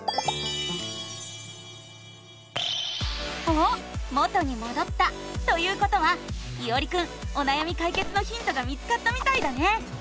おっ元にもどったということはいおりくんおなやみかいけつのヒントが見つかったみたいだね！